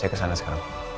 saya kesana sekarang